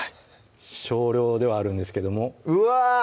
少量ではあるんですけどもうわ！